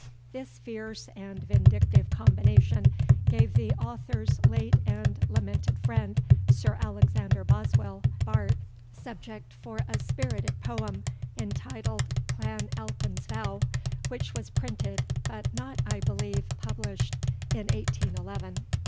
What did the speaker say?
This fierce and vindictive combination gave the author's late and lamented friend, Sir Alexander Boswell, Bart., subject for a spirited poem, entitled "Clan Alpin's Vow," which was printed, but not, I believe, published, in 1811 [See Appendix No. I].